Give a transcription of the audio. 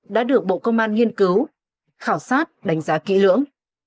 đã được bộ công an nghiên cứu khảo sát đánh giá kỹ lưỡng